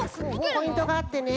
ポイントがあってね